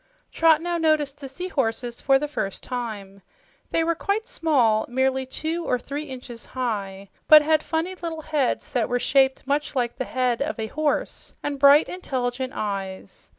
Trot now noticed the seahorses for the first time. They were quite small merely two or three inches high but had funny little heads that were shaped much like the head of a horse, and bright, intelligent eyes.